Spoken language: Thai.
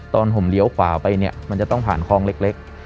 ตอนผมเลี้ยวขวาไปเนี่ยมันจะต้องผ่านคลองเล็ก